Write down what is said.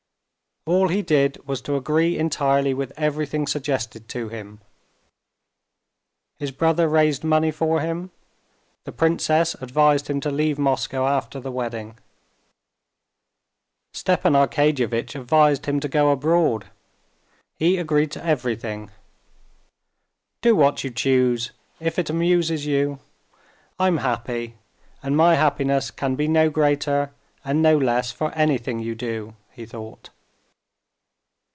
All he did was to agree entirely with everything suggested to him. His brother raised money for him, the princess advised him to leave Moscow after the wedding. Stepan Arkadyevitch advised him to go abroad. He agreed to everything. "Do what you choose, if it amuses you. I'm happy, and my happiness can be no greater and no less for anything you do," he thought.